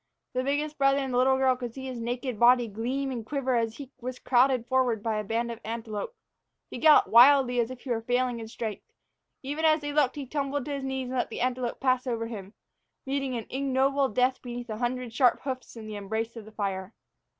The biggest brother and the little girl could see his naked body gleam and quiver as he was crowded forward by a band of antelope. He galloped blindly, as if he was failing in strength. Even as they looked he tumbled to his knees and let the antelope pass over him, meeting an ignoble death beneath a hundred sharp hoofs and in the embrace of the fire.